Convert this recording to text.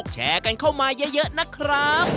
แชร์กันเข้ามาเยอะนะครับ